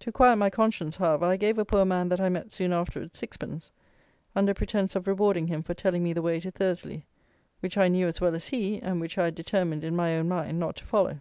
To quiet my conscience, however, I gave a poor man that I met soon afterwards sixpence, under pretence of rewarding him for telling me the way to Thursley, which I knew as well as he, and which I had determined, in my own mind, not to follow.